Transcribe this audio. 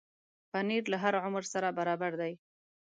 پنېر له هر عمر سره برابر دی.